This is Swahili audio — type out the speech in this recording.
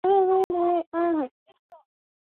Chakula sasa kipo tayari